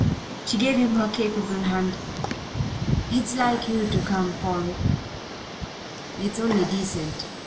She gave him her capable hand. "It's like you to come, Paul." "It's only decent.